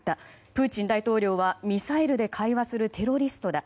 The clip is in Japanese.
プーチン大統領はミサイルで会話するテロリストだ。